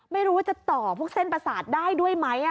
ไม่รู้จะต่อพวกเส้นประสาทได้ด้วยไหมอะค่ะ